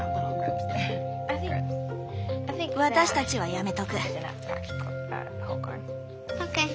私たちはやめとく。